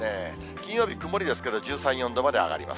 金曜日、曇りですけれども、１３、４度まで上がります。